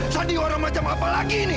sandi orang macam apa lagi ini